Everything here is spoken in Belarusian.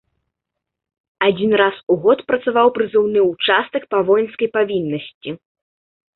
Адзін раз у год працаваў прызыўны ўчастак па воінскай павіннасці.